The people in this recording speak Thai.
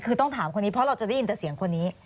คือต้องถามคนนี้เพราะเราจะได้ยินแต่เสียงคนนี้